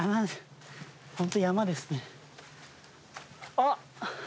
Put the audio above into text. あっ！